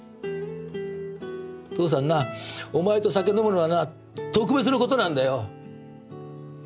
父さんなお前と酒飲むのはな特別な事なんだよ。